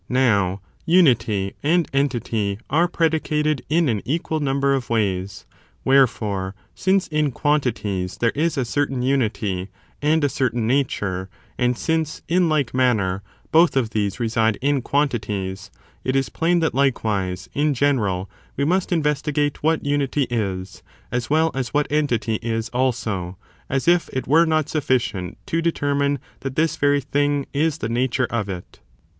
Now, unity and entity are predicated in an equal number of wajrs : wherefore, since in quantities there is a certain unity and a certain nature, and since, in like n^anner, both of these reside in quantities, it is plain that likewise, in general, we must investigate what unity is, as well as what entity is also; as if it were not sufficient to determine that this very thing is the nature of it.